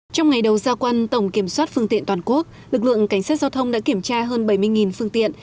trong ngày đầu gia quân tổng kiểm soát phương tiện toàn quốc lực lượng cảnh sát giao thông đã kiểm tra hơn bảy mươi phương tiện